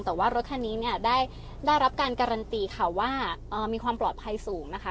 แต่ว่ารถคันนี้เนี่ยได้รับการการันตีค่ะว่ามีความปลอดภัยสูงนะคะ